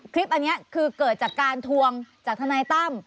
คลิปอันนี้คือเกิดจากการทวงจากทนายตั้ม